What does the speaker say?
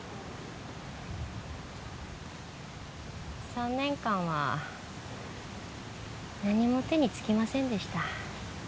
３年間は何も手につきませんでした。